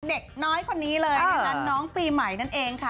เด็กน้อยคนนี้เลยนะคะน้องปีใหม่นั่นเองค่ะ